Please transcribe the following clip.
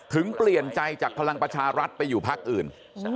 ถึงเปลี่ยนใจจากพลังประชารัฐประชาภัยไปอยู่ภาคอื่น